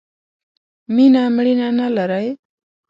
مینه مړینه نه لرئ